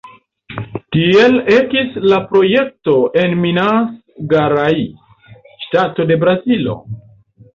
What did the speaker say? Tiel ekis la projekto en Minas Gerais, ŝtato de Brazilo.